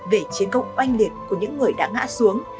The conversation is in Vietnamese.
về chiến công oanh liệt của những người đã ngã xuống